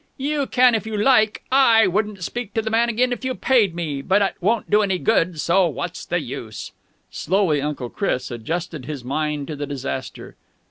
"You can if you like. I wouldn't speak to the man again if you paid me! But it won't do any good, so what's the use?" Slowly Uncle Chris adjusted his mind to the disaster.